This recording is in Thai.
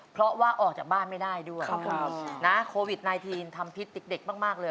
เพราะว่าออกจากบ้านไม่ได้ด้วยนะโควิด๑๙ทำพิษเด็กมากเลย